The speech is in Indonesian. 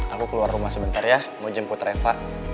aku keluar rumah sebentar ya mau jemput reva